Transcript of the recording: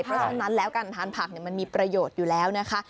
เพราะฉะนั้นแล้วการทานผักมันมีประโยชน์อยู่แล้วนะคะ